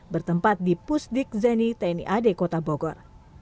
bertempat di pusdik zeni tni ad kota bogor